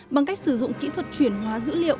bằng cách sử dụng kỹ thuật chuyển hóa dữ liệu